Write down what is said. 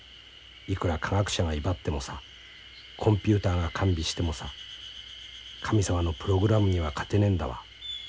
いくら科学者が威張ってもさコンピューターが完備してもさ神様のプログラムには勝てねんだわ。